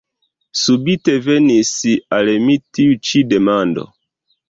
Subite venis al mi tiu ĉi demando.